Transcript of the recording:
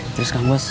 terus kamu bos